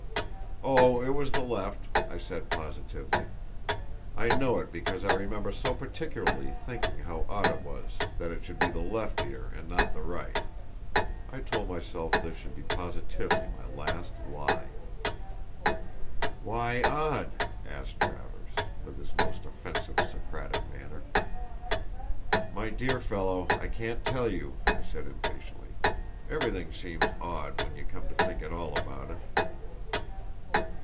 "Oh, it was the left," I said, positively; "I know it because I remember so particularly thinking how odd it was that it should be the left ear, and not the right!" I told myself this should be positively my last lie. "Why odd?" asked Frank Travers, with his most offensive Socratic manner. "My dear fellow, I can't tell you," I said, impatiently; "everything seems odd when you come to think at all about it."